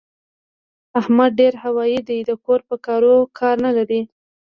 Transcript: احمد ډېر هوايي دی؛ د کور په کارو کار نه لري.